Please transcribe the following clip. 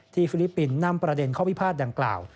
ฟิลิปปินส์นำประเด็นข้อพิพาทดังกล่าว